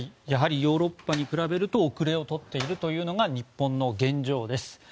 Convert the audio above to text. やはりヨーロッパに比べると後れを取っているというのが日本の現状です。